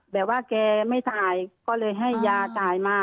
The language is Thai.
แบบว่าแกไม่จ่ายก็เลยให้ยาจ่ายมา